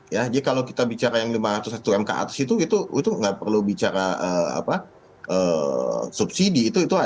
jadi kalau kita bicara yang lima ratus jutaan ke atas itu nggak perlu bicara subsidi